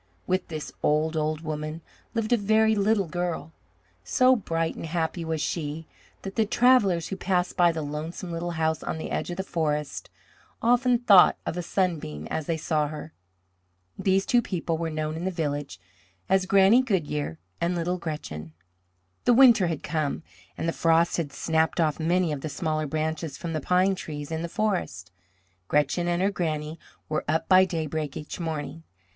With this old, old woman lived a very little girl. So bright and happy was she that the travellers who passed by the lonesome little house on the edge of the forest often thought of a sunbeam as they saw her. These two people were known in the village as Granny Goodyear and Little Gretchen. The winter had come and the frost had snapped off many of the smaller branches from the pine trees in the forest. Gretchen and her Granny were up by daybreak each morning.